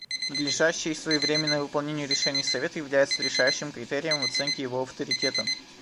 Надлежащее и своевременное выполнение решений Совета является решающим критерием в оценке его авторитета.